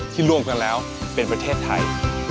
ที่ร่วมกันแล้วเป็นประเทศไทย